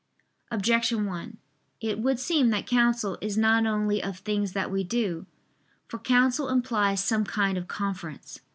Objection 1: It would seem that counsel is not only of things that we do. For counsel implies some kind of conference.